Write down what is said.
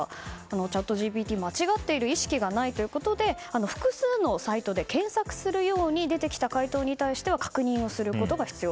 チャットＧＰＴ間違っている意識がないということで複数のサイトで検索するように出てきた解答に対しては確認をすることが必要。